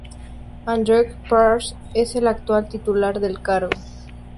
Andrew Pearce es el actual titular del cargo.